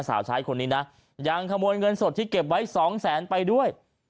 สาวช้ายคนนี้ยังขโมยเงินสดที่เก็บไว้๒๐๐๐๐๐บาทไปด้วย